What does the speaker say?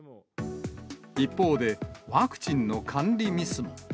一方で、ワクチンの管理ミスも。